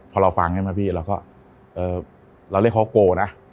พอเราฟังใช่ไหมพี่เราก็เราเรียกเขาโกนะ